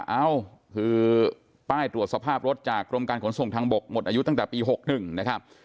เอ้าคือป้ายตรวจสภาพรถจากกรมการขนส่งทางบกหมดอายุตั้งแต่ปี๖๑นะครับ